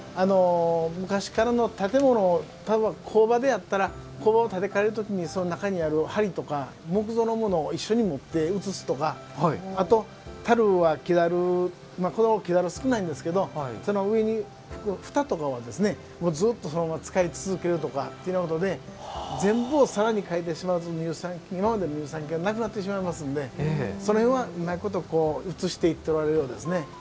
昔からの工場であったら工場を建て替えるときに中にある、はりとか木造のものを一緒に持って移すとかあと、たるは木だる。少ないんですがその上にふたとかをずっとそのまま使い続けるとかっていうことで全部を変えてしまうと乳酸発酵、乳酸菌がなくなってしまいますのでそれは、うまいこと移していっているようです。